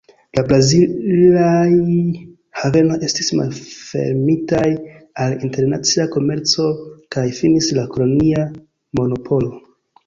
La brazilaj havenoj estis malfermitaj al internacia komerco kaj finis la kolonia monopolo.